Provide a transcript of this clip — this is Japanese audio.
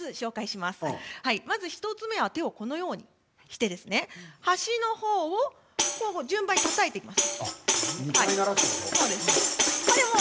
まず１つ目は手をこのようにして端の方を順番にたたいていきます。